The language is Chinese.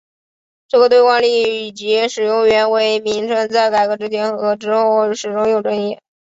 这个兑换率以及使用元为名称在改革之前和之后始终有争议。